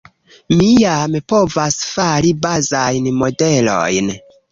mi jam povas fari bazajn modelojn